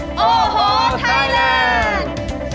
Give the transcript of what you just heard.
โอ้โหไทยแลนด์